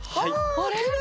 あれ？